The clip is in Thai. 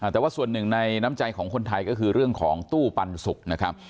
แต่ว่าส่วนหนึ่งในน้ำใจของคนไทยก็คือเรื่องของตู้ปันสุกนะครับ